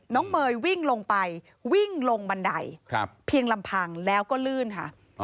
เมย์วิ่งลงไปวิ่งลงบันไดเพียงลำพังแล้วก็ลื่นค่ะ